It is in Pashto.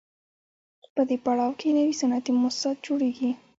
په دې پړاو کې نوي صنعتي موسسات جوړېږي